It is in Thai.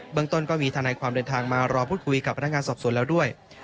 เมืองต้นก็มีทนายความเดินทางมารอพูดคุยกับพนักงานสอบสวนแล้วด้วย